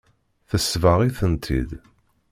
Tesbeɣ-itent-id.